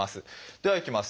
ではいきます。